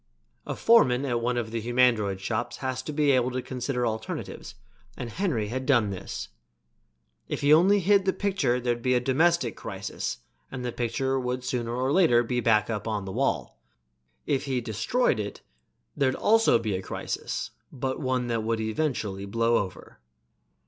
A foreman at one of the humandroid shops has to be able to consider alternatives and Henry had done this. If he only hid the picture there'd be a domestic crisis and the picture would sooner or later be back on the wall; if he destroyed it there'd also be a crisis, but one that would eventually blow over.